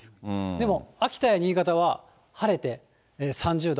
でも秋田や新潟は晴れて３０度。